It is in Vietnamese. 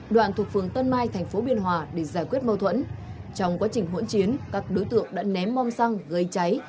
để giải quyết mâu thuẫn trong quá trình hỗn chiến các đối tượng đã ném bom xăng gây cháy